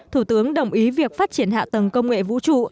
thủ tướng đồng ý việc phát triển hạ tầng công nghệ vũ trụ